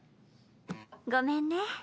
ごめんね。